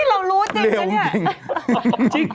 นี่เรารู้จริงจราเนี่ย